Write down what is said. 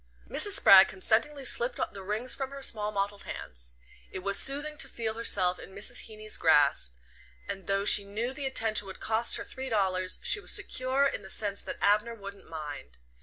Mrs. Spragg consentingly slipped the rings from her small mottled hands. It was soothing to feel herself in Mrs. Heeny's grasp, and though she knew the attention would cost her three dollars she was secure in the sense that Abner wouldn't mind.